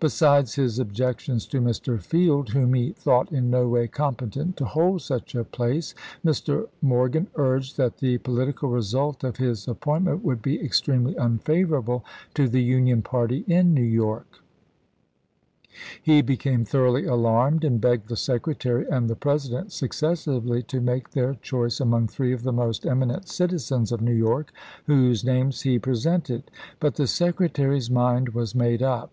Besides his objections to Mr. Field, whom he thought in no way competent to hold such a place, Mr. Morgan urged that the po litical result of his appointment would be extremely unfavorable to the Union party in New York. He became thoroughly alarmed, and begged the Secre tary and the President successively to make their choice among three of the most eminent citizens of New York, whose names he presented; but the Secretary's mind was made up.